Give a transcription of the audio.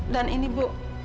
dan ini bu